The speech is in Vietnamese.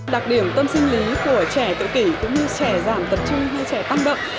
đặc điểm tâm sinh lý của trẻ tự kỷ cũng như trẻ giảm tập trung hay trẻ tăng động